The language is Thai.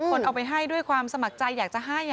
คนเอาไปให้ด้วยความสมัครใจอยากจะให้